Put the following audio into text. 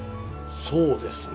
そうですね。